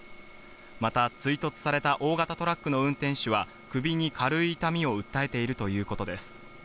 また、追突された大型トラックの運転手が首に軽い痛みを訴えているということです。